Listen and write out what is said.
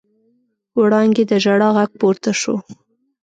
وړانګې د ژړا غږ پورته شو.